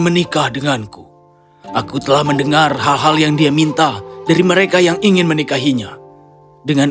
menikah denganku aku telah mendengar hal hal yang dia minta dari mereka yang ingin menikahinya dengan